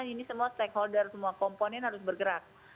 ini semua stakeholder semua komponen harus bergerak